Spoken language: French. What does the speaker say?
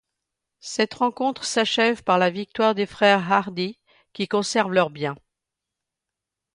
Cette rencontre s'achève par la victoire des frères Hardy qui conservent leurs biens.